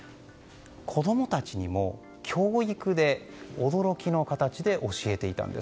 子供たちにも教育で驚きの形で教えていたんです。